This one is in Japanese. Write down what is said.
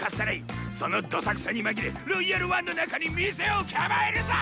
そのどさくさに紛れ「ロイヤル・ワン」の中に店を構えるぞ！